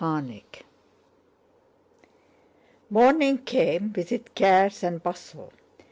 CHAPTER XIV Morning came with its cares and bustle.